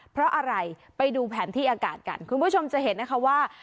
เพราะอะไรไปดูแผนที่อากาศกันคุณผู้ชมจะเห็นนะคะว่า